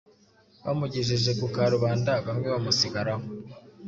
Bamugejeje ku karubanda bamwe bamusigaraho